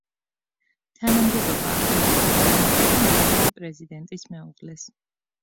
თანამდებობა ავტომატურად ენიჭება მოქმედი პრეზიდენტის მეუღლეს.